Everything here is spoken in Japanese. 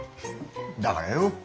だからよ。